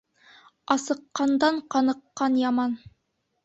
Асыҡҡандан ҡаныҡҡан яман.